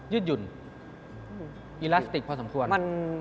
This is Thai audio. ยืดหยุ่นอิลาสติกพอสมควร